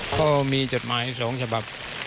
พ่อมีจดหมายสองฉบับ